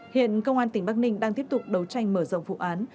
hiện công an tỉnh bắc ninh đang tiếp tục đấu tranh mở rộng vụ án